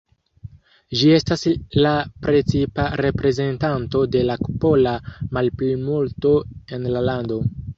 Ĝi estas la precipa reprezentanto de la pola malplimulto en la lando.